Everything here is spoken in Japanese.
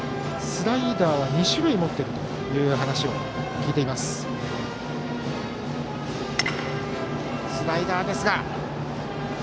スライダーは２種類持っているという話を聞いています。